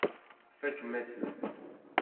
Tfakem-asen-t.